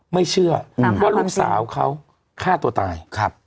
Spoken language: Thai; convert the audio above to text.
ไม่เชื่อว่าลูกสาวเขาฆ่าตัวตาย